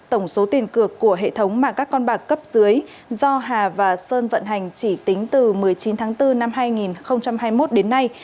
tổng số tiền cược của hệ thống mà các con bạc cấp dưới do hà và sơn vận hành chỉ tính từ một mươi chín tháng bốn năm hai nghìn hai mươi một đến nay